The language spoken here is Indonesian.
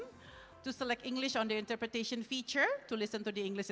untuk memilih bahasa inggris pada fitur pembentukan untuk mendengar pembentukan bahasa inggris